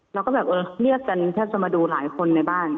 เราก็แบบเออเรียกกันแทบจะมาดูหลายคนในบ้าน